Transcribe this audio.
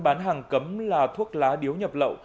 bán hàng cấm là thuốc lá điếu nhập lậu